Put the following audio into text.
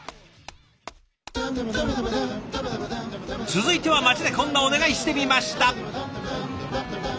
続いては街でこんなお願いしてみました。